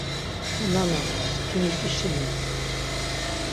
Nana ti mit̆işini.